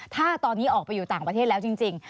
ถ้าตอนนี้ออกไปอยู่ต่างประเทศแล้วจริง